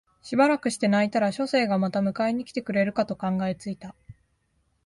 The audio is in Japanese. しばらくして泣いたら書生がまた迎えに来てくれるかと考え付いた